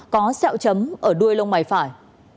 có xeo chấm ở đuôi lông mày phải